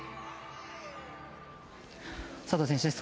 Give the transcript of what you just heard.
佐藤選手です。